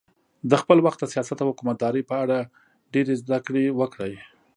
د خپل وخت د سیاست او حکومتدارۍ په اړه ډېرې زده کړې وکړې.